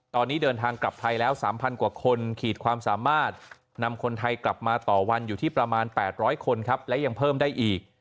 ตอนนี้เดินทางกลับไทยแล้ว๓๐๐กว่าคนขีดความสามารถนำคนไทยกลับมาต่อวันอยู่ที่ประมาณ๘๐๐คนครับและยังเพิ่มได้อีก